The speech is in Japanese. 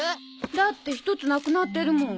だって１つなくなってるもん。